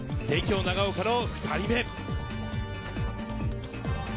帝京長岡の２人目。